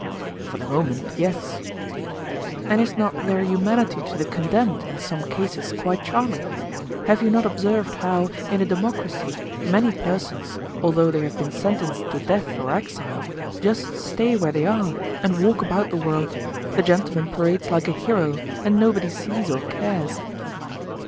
For the moment, yes. And is not their humanity to the condemned in some cases quite charming? Have you not observed how, in a democracy, many persons, although they have been sentenced to death or exile, just stay where they are and walk about the world—the gentleman parades like a hero, and nobody sees or cares?